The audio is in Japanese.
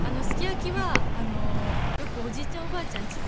すき焼きはよくおじいちゃんおばあちゃん